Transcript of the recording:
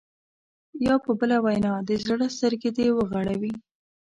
یا په بله وینا د زړه سترګې دې وغړوي.